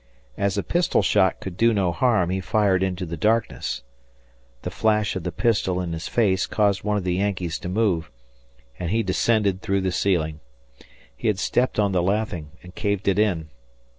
As a pistol shot could do no harm, he fired into the darkness. The flash of the pistol in his face caused one of the Yankees to move, and he descended through the ceiling. He had stepped on the lathing and caved it in.